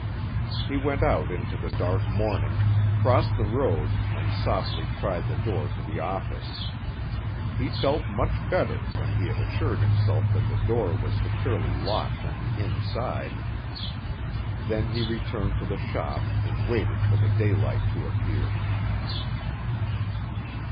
He went out into the dark morning, crossed the road and softly tried the door to the office. He felt much better when he had assured himself that the door was securely locked on the inside. Then he returned to the shop and waited for the daylight to appear.